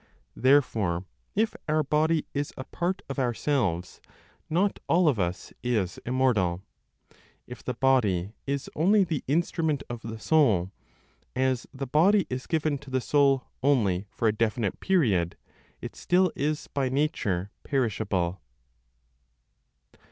Therefore if our body is a part of ourselves, not all of us is immortal; if the body is only the instrument of the soul, as the body is given to the soul only for a definite period, it still is by nature perishable.